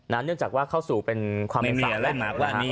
เนื่องจากว่าเข้าสู่เป็นความเป็นสายแล้ว